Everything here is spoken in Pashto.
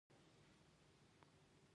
سپورټ د صحت له پاره غوره تفکیک دئ.